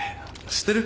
知ってる？